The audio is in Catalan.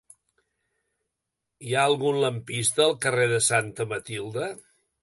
Hi ha algun lampista al carrer de Santa Matilde?